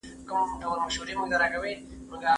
زه اوس کتابونه لولم!